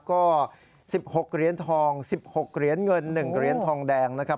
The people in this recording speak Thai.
ก็๑๖เหรียญทอง๑๖เหรียญเงิน๑เหรียญทองแดงนะครับ